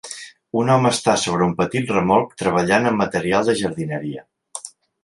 Un home està sobre un petit remolc treballant amb material de jardineria.